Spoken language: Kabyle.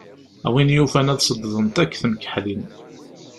A win yufan ad ṣedddent akk temkeḥlin.